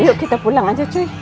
yuk kita pulang aja cuy